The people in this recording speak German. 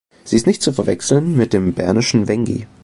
Sie ist nicht zu verwechseln mit dem bernischen Wengi.